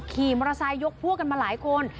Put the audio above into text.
ขี่มอเตอร์ไซค์ยกพวกกันมาหลายคน